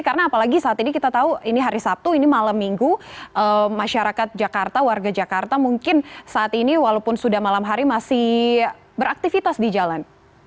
karena apalagi saat ini kita tahu ini hari sabtu ini malam minggu masyarakat jakarta warga jakarta mungkin saat ini walaupun sudah malam hari masih beraktivitas di jalan